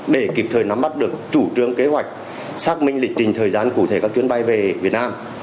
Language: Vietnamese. để kịp thời nắm bắt được chủ trương kế hoạch xác minh lịch trình thời gian cụ thể các chuyến bay về việt nam